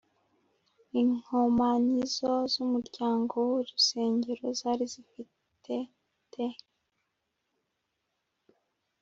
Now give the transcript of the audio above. Inkomanizo z umuryango w urusengero zari zifitete